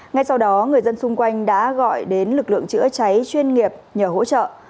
ngay sau đó người dân xung quanh đã gọi đến lực lượng chữa cháy chuyên nghiệp nhờ hỗ trợ